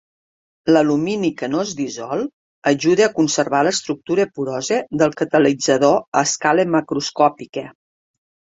L'alumini que no es dissol ajuda a conservar l'estructura porosa del catalitzador a escala macroscòpica.